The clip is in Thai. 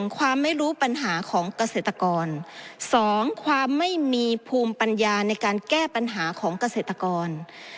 ความไม่รู้ปัญหาของเกษตรกร๒ความไม่มีภูมิปัญญาในการแก้ปัญหาของเกษตรกร